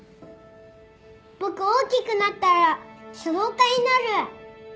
僕大きくなったら書道家になる！